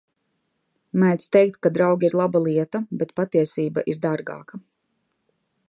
Mēdz teikt, ka draugi ir laba lieta, bet patiesība ir dārgāka.